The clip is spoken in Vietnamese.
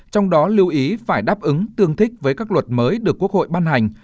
trong đó lưu ý phải đáp ứng tương thích với các luật mới được quốc hội ban hành